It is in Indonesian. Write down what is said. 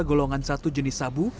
golongan satu jenis sabu